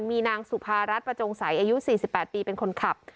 มีนางสุภารัฐประจงใสอายุ๔๘ปีเป็นคนขับ